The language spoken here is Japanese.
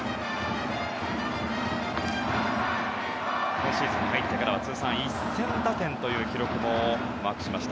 今シーズン入ってからは通算１０００打点という記録もマークしました。